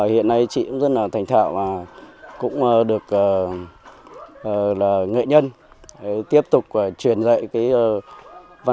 hiện nay chị cũng rất là thành thạo và cũng được là nghệ nhân tiếp tục truyền dạy văn hóa truyền thống dệt của nghề dân tộc bà thèn